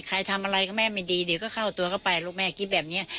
ใครทำอะไรก็แม่ไม่ดีเดี๋ยวก็เข้าตัวเข้าไปลูกแม่คิดแบบนี้